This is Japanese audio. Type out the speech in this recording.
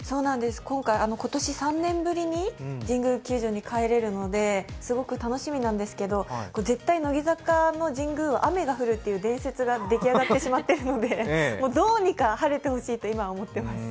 今回、今年３年ぶりに神宮球場に帰れるのですごく楽しみなんですけど、絶対乃木坂の神宮は雨が降るっていう伝説が出来上がってしまっているのでどうにか晴れてほしいと今は思っています。